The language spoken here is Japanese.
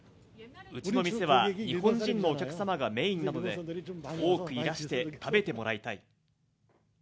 うちの店は日本人のお客様がメインなので、多くいらして、食べてもらいたい。